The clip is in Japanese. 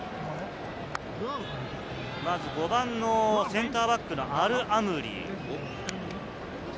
５番のセンターバックのアルアムリ。